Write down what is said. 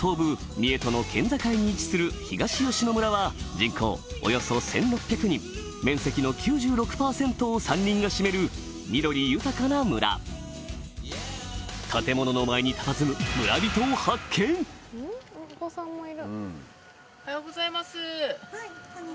三重との県境に位置する東吉野村は人口およそ１６００人面積の９６％を山林が占める緑豊かな村建物の前にたたずむお子さんもいる。